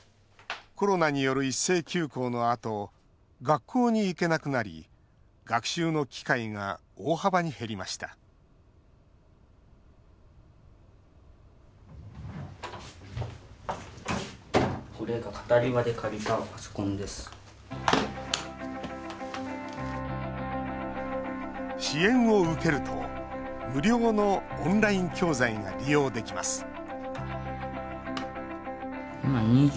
コロナによる一斉休校のあと学校に行けなくなり学習の機会が大幅に減りました支援を受けると無料のオンライン教材が利用できます